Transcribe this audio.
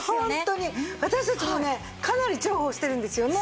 私たちもねかなり重宝してるんですよね。